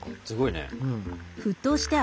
すごいね。